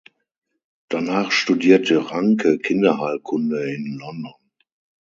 Danach studierte Ranke Kinderheilkunde in London.